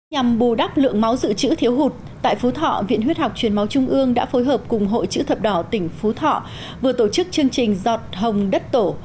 nhằm bù đắp lượng máu dự trữ thiếu hụt tại phú thọ viện huyết học truyền máu trung ương đã phối hợp cùng hội chữ thập đỏ tỉnh phú thọ vừa tổ chức chương trình giọt hồng đất tổ